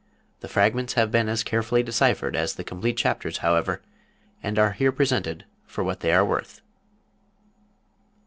The fragments have been as carefully deciphered as the complete chapters, however, and are here presented for what they are worth.)